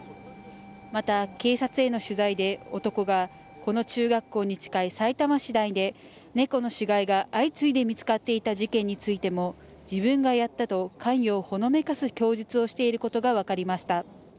また、警察への取材で男がこの中学校に近いさいたま市内で猫の死骸が相次いで見つかっていた事件についても自分がやったと関与をほのめかす供述をしていることが分かりました。